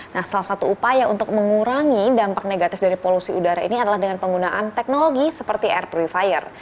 nah salah satu upaya untuk mengurangi dampak negatif dari polusi udara ini adalah dengan penggunaan teknologi seperti air purifier